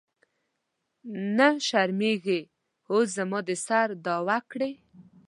نه شرمېږې اوس زما د سر دعوه کړې.